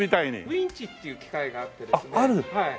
ウインチっていう機械があってですね。